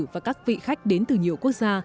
và các vị khách đến từ nhiều quốc gia